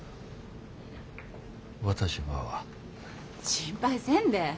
心配せんで。